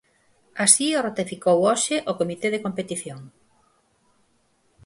Así o ratificou hoxe o comité de competición.